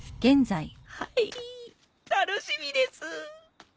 はい楽しみですぅ。